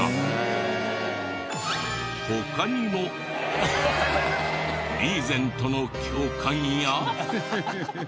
他にもリーゼントの教官や。